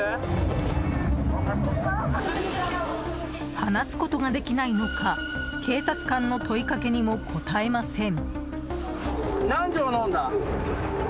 話すことができないのか警察官の問いかけにも答えません。